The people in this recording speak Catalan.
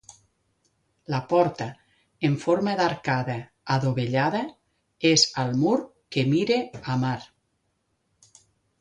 La porta, en forma d'arcada adovellada, és al mur que mira a mar.